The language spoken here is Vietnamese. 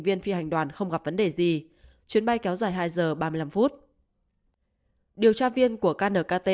viên phi hành đoàn không gặp vấn đề gì chuyến bay kéo dài hai giờ ba mươi năm phút điều tra viên của knkt